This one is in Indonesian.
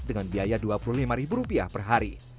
dengan biaya rp dua puluh lima per hari